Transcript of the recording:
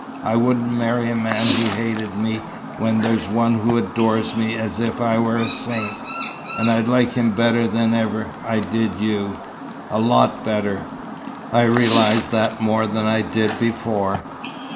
I wouldn't marry a man who hated me, when there's one who adores me as if I were a saint and I like him better than ever I did you a lot better. I realize that more than I did before."